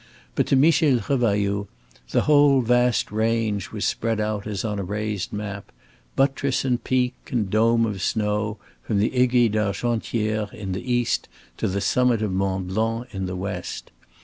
But to Michel Revailloud, the whole vast range was spread out as on a raised map, buttress and peak, and dome of snow from the Aiguille d'Argentière in the east to the summit of Mont Blanc in the west.